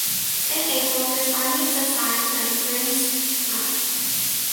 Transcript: In April this Army was assigned to Bryansk Front.